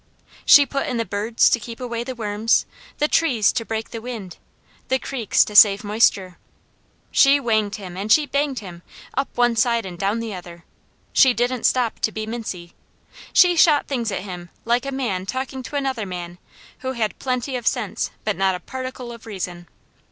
She put in the birds to keep away the worms, the trees to break the wind, the creeks to save the moisture. She whanged him, and she banged him, up one side, and down the other. She didn't stop to be mincy. She shot things at him like a man talking to another man who had plenty of sense but not a particle of reason.